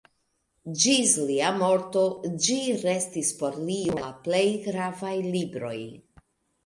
Ĝis lia morto ĝi restis por li unu el la plej gravaj libroj.